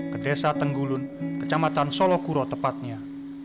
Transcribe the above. ke desa tenggulun kecamatan solokuro tepatnya